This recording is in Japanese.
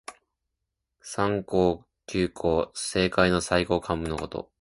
三公九卿。政界の最高幹部のこと。